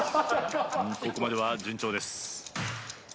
ここまでは順調です。